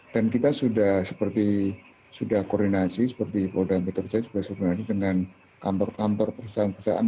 dan kita sudah seperti sudah koordinasi seperti bodo dan peter sudah koordinasi dengan kantor kantor perusahaan perusahaan